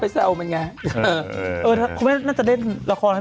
พี่จะเล่าให้ฉันฟังเลยมีแต่แบบจะตบกูทั้งวันเลยบอกขอกินหน่อยสิ